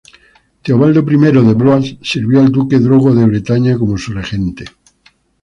Teobaldo I de Blois sirvió al duque Drogo de Bretaña como su regente.